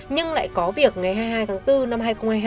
nhưng lại có việc ngày hai mươi hai tháng bốn năm hai nghìn hai mươi hai